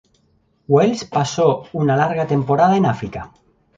Wells pasó una larga temporada en África.